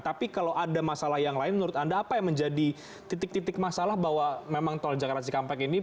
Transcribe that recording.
tapi kalau ada masalah yang lain menurut anda apa yang menjadi titik titik masalah bahwa memang tol jakarta cikampek ini